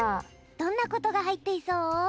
どんなことがはいっていそう？